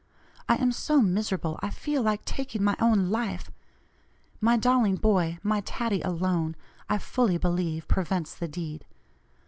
I am so miserable I feel like taking my own life. My darling boy, my Taddie alone, I fully believe, prevents the deed.